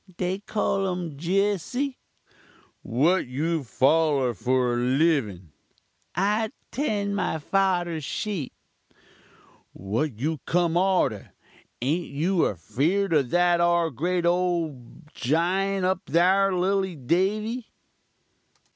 "'They call um Jesse.' "'What you follur for livin?' "'I 'tend my farder's sheep.' "'What you kum arter? Ain't you affeerd of that 'ar grate ugly ole jiunt up thar, lilly Davy?'